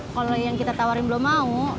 kalau yang kita tawarin belum mau